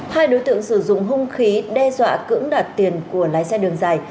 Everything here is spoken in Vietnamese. hai đối tượng sử dụng hung khí đe dọa cưỡng đoạt tiền của lái xe đường dài